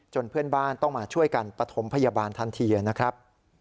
เพื่อนบ้านต้องมาช่วยกันปฐมพยาบาลทันทีนะครับ